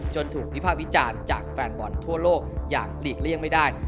ถูกวิภาควิจารณ์จากแฟนบอลทั่วโลกอย่างหลีกเลี่ยงไม่ได้